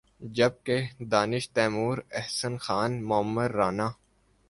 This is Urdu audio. جب کہ دانش تیمور، احسن خان، معمر رانا